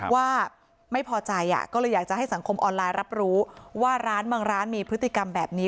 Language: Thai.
ว่าไม่พอใจก็เลยอยากจะให้สังคมออนไลน์รับรู้ว่าร้านบางร้านมีพฤติกรรมแบบนี้